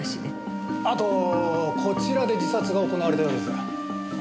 あとこちらで自殺が行われたようですが。